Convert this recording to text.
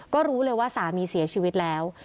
ก็รู้เลยว่าสามีเสียชีวิตแล้ว